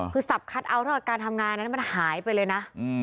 ฮือสับคัตอเตอัลทั้งการทำงานนั้นมันหายไปเลยนะ